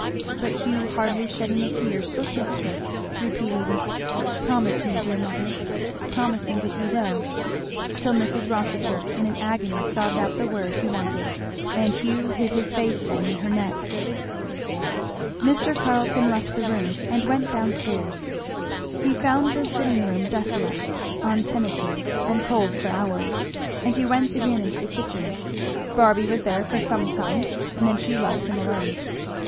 But Hugh hardly shedding a tear still kissed her, repeating, "Promise me, dear mother promise me that you will;" till Mrs. Rossitur in an agony sobbed out the word he wanted, and Hugh hid his face then in her neck. Mr. Carleton left the room and went down stairs. He found the sitting room desolate, untenanted and cold for hours; and he went again into the kitchen. Barby was there for some time, and then she left him alone.